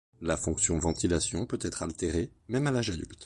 La fonction ventilation peut être altérée, même à l'âge adulte.